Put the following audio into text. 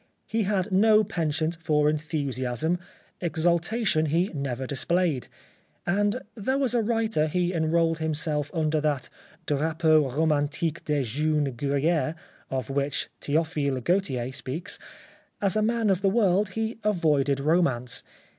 He had no penchant for enthusiasm, exaltation he never displayed; and though as a writer he enrolled himself under that drapeau romantique des jeunes guerriers of which Theophile Gautier speaks, as a man of the world he avoided romance.